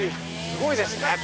すごいですね。